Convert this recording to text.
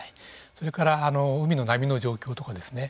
それから海の波の状況とかですね